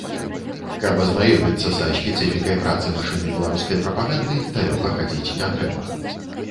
Каб азнаёміцца са спецыфікай працы машыны беларускай прапаганды, далёка хадзіць не трэба.